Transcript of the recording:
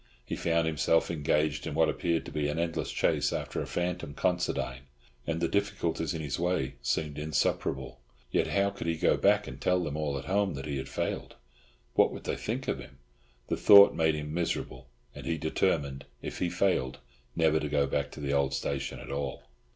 He found himself engaged in what appeared to be an endless chase after a phantom Considine, and the difficulties in his way semed insuperable. Yet how could he go back and tell them all at home that he had failed? What would they think of him? The thought made him miserable; and he determined, if he failed, never to go back to the old station at all.